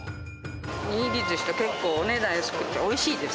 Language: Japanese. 握りずしとか結構お値段安くておいしいです。